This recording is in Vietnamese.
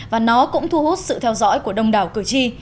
và nó cũng thu hút sự theo dõi của đông đảo cử tri